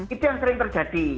itu yang sering terjadi